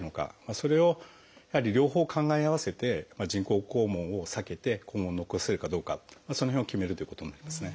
それをやはり両方考え合わせて人工肛門を避けて肛門を残せるかどうかその辺を決めるということになりますね。